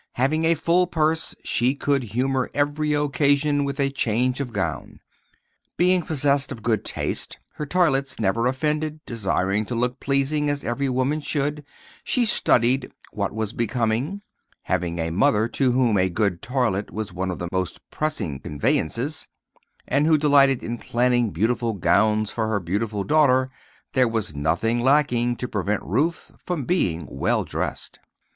Having a full purse, she could humor every occasion with a change of gown; being possessed of good taste, her toilets never offended; desiring to look pleasing, as every woman should, she studied what was becoming; having a mother to whom a good toilet was one of the most pressing convenances, and who delighted in planning beautiful gowns for her beautiful daughter, there was nothing lacking to prevent Ruth from being well dressed.